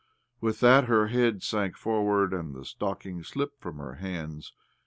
With that her head sank forward, and the stocking, slipped from her hands.